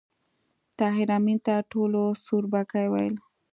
طاهر آمین ته ټولو سوربګی ویل